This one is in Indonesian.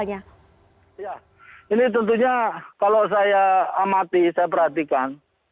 ya ini tentunya kalau saya amati saya perhatikan